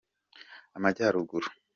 amajyaruguru.